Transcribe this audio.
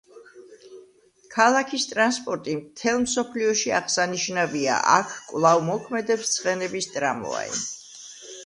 ქალაქის ტრანსპორტი მთელ მსოფლიოში აღსანიშნავია, აქ კვლავ მოქმედებს ცხენების ტრამვაი.